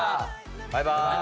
バイバイ。